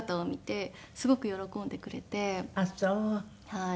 はい。